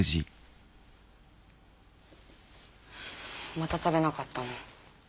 また食べなかったの？